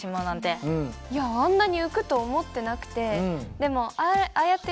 いやあんなに浮くと思ってなくて。